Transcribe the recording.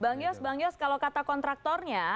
bang yos bang yos kalau kata kontraktornya